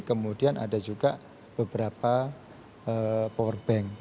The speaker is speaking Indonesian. kemudian ada juga beberapa powerbank